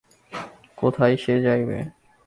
কোথায় সে যাইবে?